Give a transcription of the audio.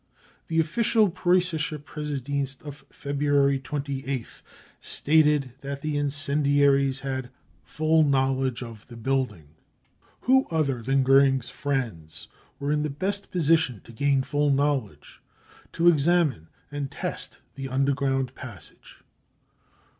The official Preussische Pmsediensl of February 28th stated that the incendiaries had full knowledge of the building. Who other than Goering's friends were in the best position to gain full knowledge, to examine and test the underground passage